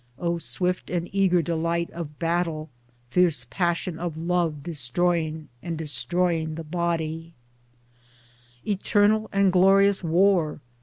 O swift and eager delight of battle, fierce passion of love destroying and destroying the body ! 102 Towards Democracy Eternal and glorious War